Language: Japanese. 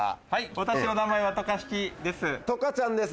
私の名前は渡嘉敷です。